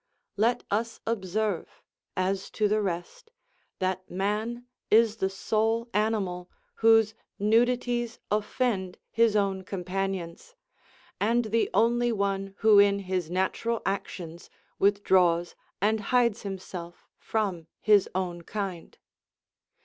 Let us observe, as to the rest, that man is the sole animal whose nudities offend his own companions, and the only one who in his natural actions withdraws and hides himself from his own kind.